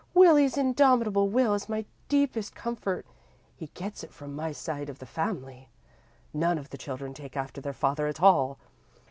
"Willie's indomitable will is my deepest comfort. He gets it from my side of the family. None of the children take after their father at all.